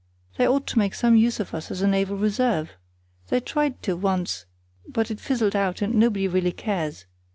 They ought to make some use of us as a naval reserve. They tried to once, but it fizzled out, and nobody really cares.